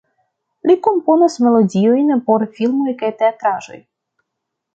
Li komponas melodiojn por filmoj kaj teatraĵoj.